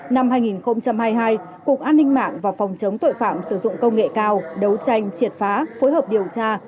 năm hai nghìn hai mươi hai cục an ninh mạng và phòng chống tội phạm sử dụng công nghệ cao đấu tranh triệt phá phối hợp điều tra